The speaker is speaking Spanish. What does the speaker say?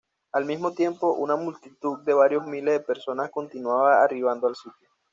Al mismo tiempo, una multitud de varios miles de personas continuaba arribando al sitio.